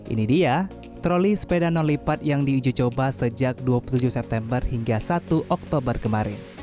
ini dia troli sepeda non lipat yang diuji coba sejak dua puluh tujuh september hingga satu oktober kemarin